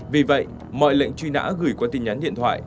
vì vậy mọi lệnh truy nã gửi qua tin nhắn điện thoại